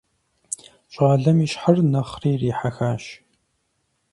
Щӏалэм и щхьэр нэхъри ирихьэхащ.